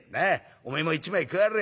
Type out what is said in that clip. おめえも一枚加われ」。